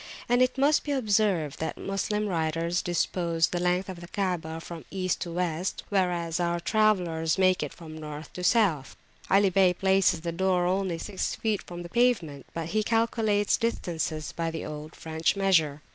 And it must be observed that Moslem writers dispose the length of the Kaabah from East to West, whereas our travellers make it from North to South. Ali Bey places the door only six feet from the pavement, but he calculates distances by the old French measure.